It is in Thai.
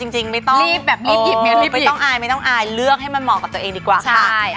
จริงไม่ต้องอายเลือกให้มันเหมาะกับตัวเองดีกว่าค่ะ